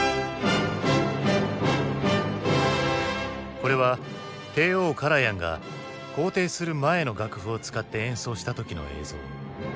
これは帝王カラヤンが校訂する前の楽譜を使って演奏した時の映像。